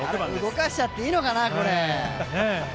動かしちゃっていいのかな。